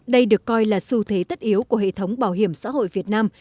đây được coi là xu thế tất yếu của hệ thống bảo hiểm xã hội việt nam